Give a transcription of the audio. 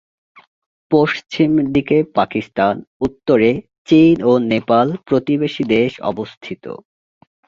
পশ্চিম দিকে পাকিস্তান, উত্তরে চীন ও নেপাল প্রতিবেশী দেশ অবস্থিত।